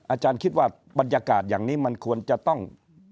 อาจารย์คิดว่าบรรยากาศอย่างนี้มันควรจะต้อง